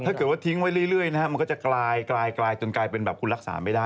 ถ้าเกิดว่าทิ้งไว้เรื่อยนะฮะมันก็จะกลายจนกลายเป็นแบบคุณรักษาไม่ได้